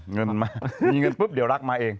เงินมามีเงินปุ๊บเดี๋ยวรักมาเอง